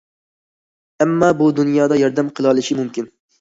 ئەمما بۇ دۇنيادا ياردەم قىلالىشى مۇمكىن.